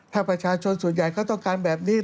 ถ้าประชาชนส่วนใหญ่เขาต้องการแบบนี้